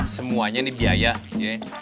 semuanya nih biaya ya